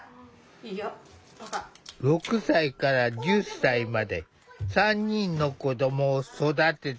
６歳から１０歳まで３人の子どもを育てている。